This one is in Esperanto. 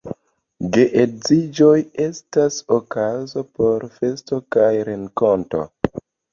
Geedziĝoj estas okazo por festo kaj renkonto.